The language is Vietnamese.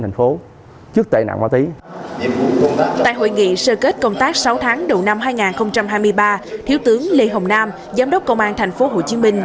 tại hội nghị sơ kết công tác sáu tháng đầu năm hai nghìn hai mươi ba thiếu tướng lê hồng nam giám đốc công an thành phố hồ chí minh